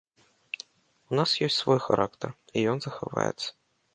У нас ёсць свой характар, і ён захаваецца.